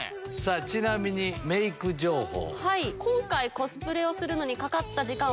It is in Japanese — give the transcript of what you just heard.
ちなみにメーク情報。